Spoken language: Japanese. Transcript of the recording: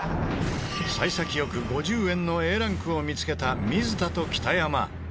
幸先よく５０円のＡランクを見つけた水田と北山。